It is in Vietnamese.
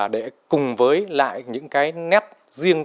để cùng với lại những cái nét riêng